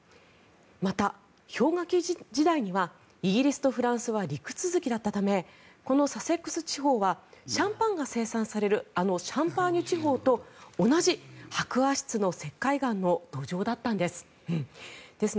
また、氷河期時代にはイギリスとフランスは陸続きだったためこのサセックス地方はシャンパンが生産されるあのシャンパーニュ地方と同じ白亜質の石灰岩の土壌だったんです。